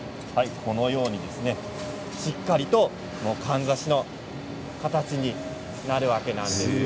このようにしっかりとかんざしの形になるわけなんですね。